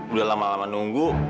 udah lama lama nunggu